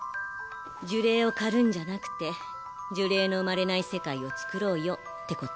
呪霊を狩るんじゃなくて呪霊の生まれない世界をつくろうよってこと。